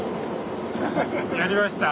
やりました。